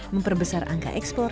memperbesar angka ekspor